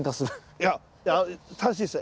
いや正しいですね。